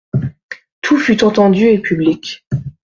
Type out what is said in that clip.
Tout fut entendu et public.